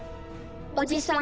おじさん。